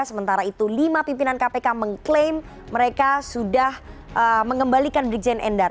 sementara itu lima pimpinan kpk mengklaim mereka sudah mengembalikan brigjen endar